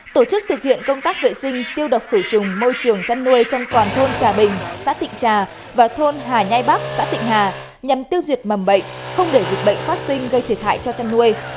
tổ chức thực hiện công tác vệ sinh tiêu độc khử trùng môi trường chăn nuôi trong toàn thôn trà bình xã tịnh trà và thôn hà nhai bắc xã tịnh hà nhằm tiêu diệt mầm bệnh không để dịch bệnh phát sinh gây thiệt hại cho chăn nuôi